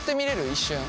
一瞬。